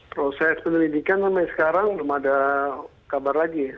proses penyelidikan sampai sekarang belum ada kabar lagi